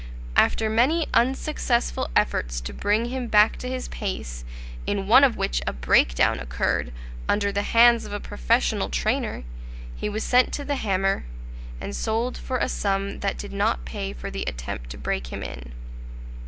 After many unsuccessful efforts to bring him back to his pace, in one of which a break down occurred, under the hands of a professional trainer, he was sent to the hammer, and sold for a sum that did not pay for the attempt to break him in.